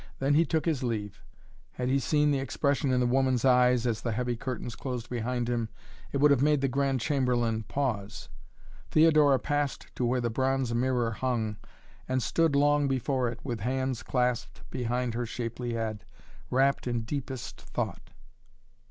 Then he took his leave. Had he seen the expression in the woman's eyes as the heavy curtains closed behind him, it would have made the Grand Chamberlain pause. Theodora passed to where the bronze mirror hung and stood long before it, with hands clasped behind her shapely head, wrapt in deepest thought.